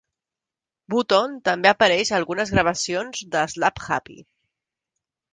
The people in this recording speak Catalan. Wootton també apareix a algunes gravacions de Slapp Happy.